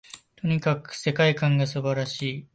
とにかく世界観が素晴らしい